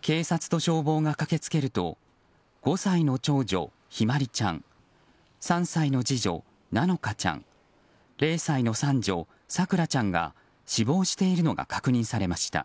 警察と消防が駆けつけると５歳の長女・姫茉梨ちゃん３歳の次女・菜乃華ちゃん０歳の三女・咲桜ちゃんが死亡しているのが確認されました。